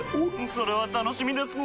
それは楽しみですなぁ。